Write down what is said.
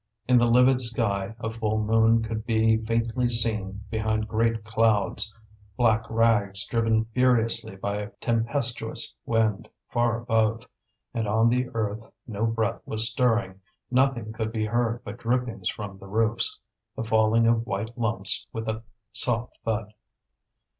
In the livid sky a full moon could be faintly seen behind great clouds, black rags driven furiously by a tempestuous wind far above; and on the earth no breath was stirring, nothing could be heard but drippings from the roofs, the falling of white lumps with a soft thud.